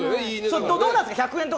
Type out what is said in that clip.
どうなんですか？